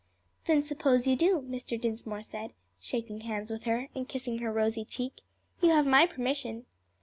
"Then suppose you do," Mr. Dinsmore said, shaking hands with her, and kissing her rosy cheek. "You have my permission."